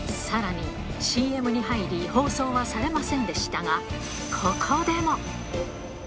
さらに、ＣＭに入り、放送はされませんでしたが、ここでも。